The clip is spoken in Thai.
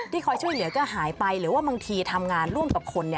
คอยช่วยเหลือก็หายไปหรือว่าบางทีทำงานร่วมกับคน